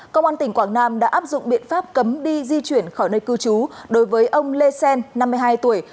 công an tỉnh quảng nam đã áp dụng biện pháp cấm đi di chuyển khỏi nơi cư trú đối với ông lê xen năm mươi hai tuổi